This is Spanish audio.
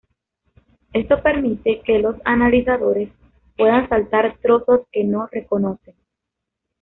Esto permite que los analizadores puedan saltar trozos que no reconocen.